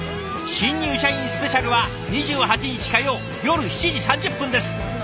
新入社員スペシャルは２８日火曜夜７時３０分です。